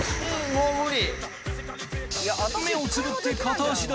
もう無理！